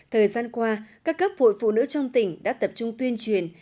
thời gian qua các cấp hội phụ nữ trong tỉnh đã tập trung tuyên truyền